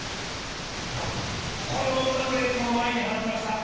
うまくレフトの前に放ちました。